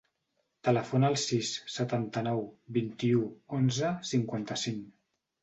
Telefona al sis, setanta-nou, vint-i-u, onze, cinquanta-cinc.